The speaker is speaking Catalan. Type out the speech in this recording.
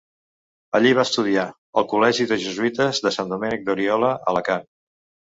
Allí va estudiar al col·legi de jesuïtes de Sant Domènec d'Oriola, Alacant.